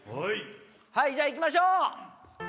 じゃあいきましょう！